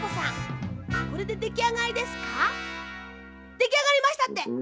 できあがりましたって！